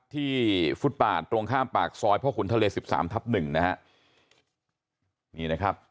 ที่ฟุตบาตตรงข้ามปากซอยพ่อขุนทะเล๑๓ทับ๑